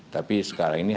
tapi sekarang ini harus